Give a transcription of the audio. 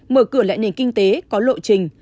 mở cửa lệ nền kinh tế có lộ trình